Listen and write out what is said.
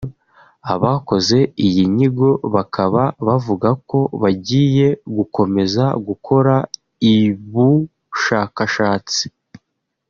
Abakoze iyi nyigo bakaba bavuga ko bagiye gukomeza gukora ibushakashatsi